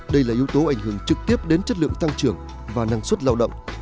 đây là yếu tố ảnh hưởng trực tiếp đến chất lượng tăng trưởng và năng suất lao động